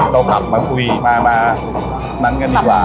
เรากลับมาคุยมานั้นกันดีกว่า